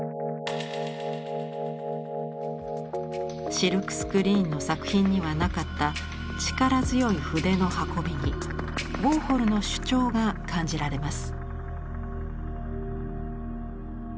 シルクスクリーンの作品にはなかった力強い筆の運びにウォーホルの主張が感じられます。